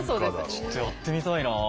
ちょっとやってみたいなあ。